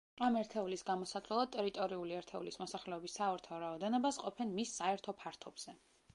ამ ერთეულის გამოსათვლელად ტერიტორიული ერთეულის მოსახლეობის საერთო რაოდენობას ყოფენ მის საერთო ფართობზე.